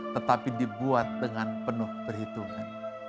tetapi dibuat dengan penuh perhitungan